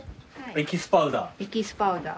エキスパウダー。